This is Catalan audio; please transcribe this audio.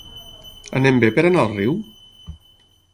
Anem bé per anar al riu?